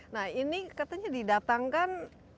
nah ini katanya didatangkan